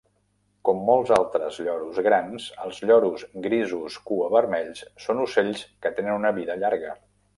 Com molts altres lloros grans, els lloros grisos cuavermells són ocells que tenen una vida llarga.